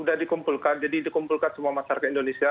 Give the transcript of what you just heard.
sudah dikumpulkan jadi dikumpulkan semua masyarakat indonesia